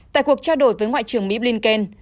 tại cuộc trao đổi với ngoại trưởng mỹ blinken